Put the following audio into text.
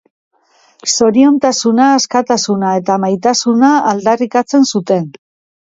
Zoriontasuna, askatasuna eta maitasuna aldarrikatzen zuten.